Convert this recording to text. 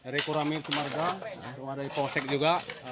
rekurami kemarga ada iposek juga